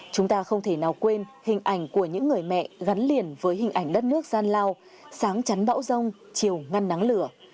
chúng ta không thể nào quên hình ảnh của những người mẹ gắn liền với hình ảnh đất nước gian lao sáng chắn bão rông chiều ngăn nắng lửa